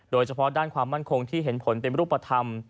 โดยเฉพาะด้านความมั่นคงที่เห็นผลเป็นรูปธรรม